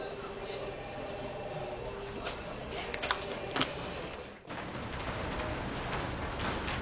よし。